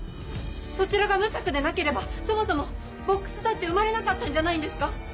⁉そちらが無策でなければそもそもボックスだって生まれなかったんじゃないんですか？